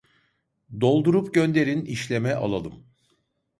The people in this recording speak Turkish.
Doldurup gönderin işleme alalım